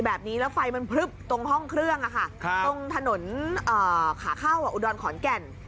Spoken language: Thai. แบบนี้แล้วไฟมันพลึบตรงห้องเครื่องอ่ะค่ะครับตรงถนนอ่าขาเข้าอ่ะอุดรขอนแก่น